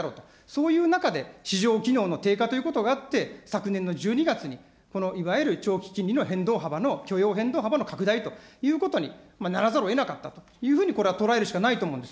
そういう中で市場機能の低下ということがあって、昨年の１２月に、いわゆる長期金利の変動幅の許容変動幅の拡大ということにならざるをえなかったというふうに、これは捉えるしかないと思うんです。